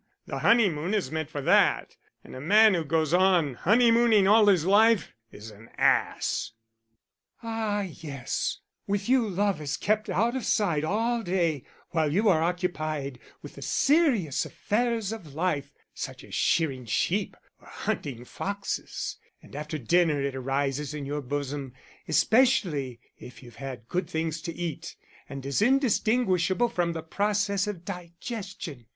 The honeymoon is meant for that, and a man who goes on honeymooning all his life, is an ass." "Ah yes, with you love is kept out of sight all day, while you are occupied with the serious affairs of life, such as shearing sheep or hunting foxes; and after dinner it arises in your bosom, especially if you've had good things to eat, and is indistinguishable from the process of digestion.